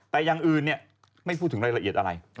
แต่อย่างอื่นไม่พูดถึงรายละเอียดอะไร